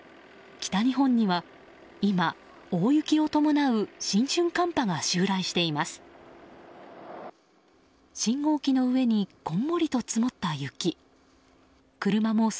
北日本には今、大雪を伴う新春寒波が襲来しています。